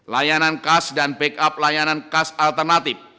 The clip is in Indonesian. layanan kas dan backup layanan kas alternatif